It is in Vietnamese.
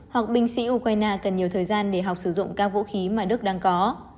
học binh sĩ ukraine cần nhiều thời gian để học sử dụng các vũ khí mà đức đang có